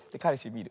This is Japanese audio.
みる。